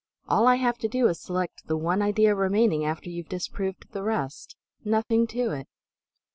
All I have to do is select the one idea remaining after you've disproved the rest. Nothing to it!"